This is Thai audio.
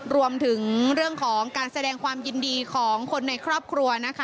รวมถึงเรื่องของการแสดงความยินดีของคนในครอบครัวนะคะ